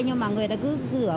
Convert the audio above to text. nhưng mà người ta cứ sửa